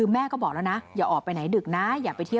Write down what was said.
แม่ก็บอกแล้วนะอย่าออกไปไหนดึกนะ